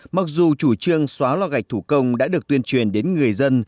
mặc dù chủ trương xóa lò gạch thủ công đã được tuyên truyền đến người dân